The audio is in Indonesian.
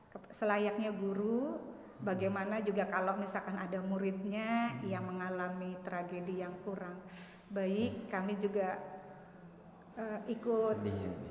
ke selayaknya guru bagaimana juga kalau misalkan ada muridnya yang mengalami tragedi yang kurang baik kami juga ikut